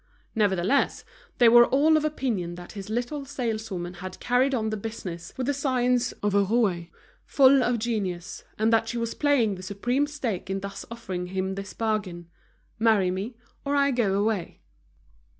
Nevertheless, they were all of opinion that this little saleswoman had carried on the business with the science of a rouée, full of genius, and that she was playing the supreme stake in thus offering him this bargain: Marry me or I go away.